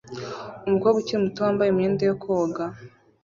Umukobwa ukiri muto wambaye imyenda yo koga